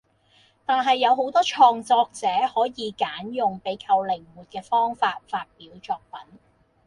但係有好多創作者可以揀用比較靈活嘅方法發表作品